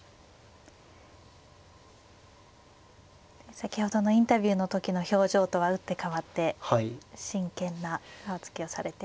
先ほどのインタビューの時の表情とは打って変わって真剣な顔つきをされていますね。